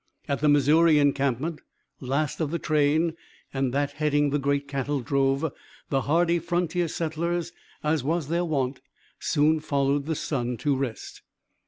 At the Missouri encampment, last of the train, and that heading the great cattle drove, the hardy frontier settlers, as was their wont, soon followed the sun to rest.